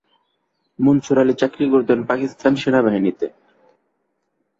মনসুর আলী চাকরি করতেন পাকিস্তান সেনাবাহিনীতে।